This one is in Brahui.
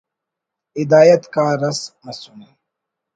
ہدایت کار اس مسنے